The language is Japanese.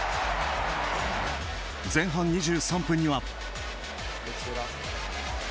前半２３分には。